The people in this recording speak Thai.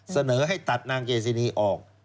เสนอให้ตัดนางเกซินีออก